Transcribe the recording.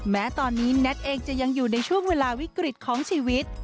แม้ตอนนี้แน็ตเองจะยังอยู่ในช่วงเวลาวิกฤตของชีวิต